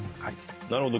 なるほど。